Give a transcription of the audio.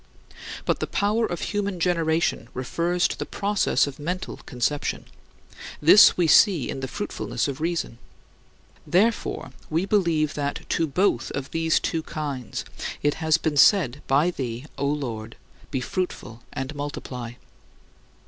But the power of human generation refers to the process of mental conception; this we see in the fruitfulness of reason. Therefore, we believe that to both of these two kinds it has been said by thee, O Lord, "Be fruitful and multiply."